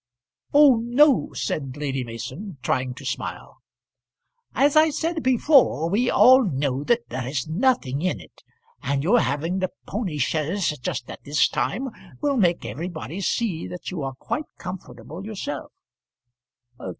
"Oh, no," said Lady Mason, trying to smile. "As I said before, we all know that there is nothing in it; and your having the pony chaise just at this time will make everybody see that you are quite comfortable yourself."